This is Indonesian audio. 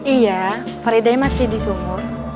iya faridah masih disumur